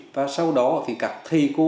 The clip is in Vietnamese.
và sau đó thì các thầy cô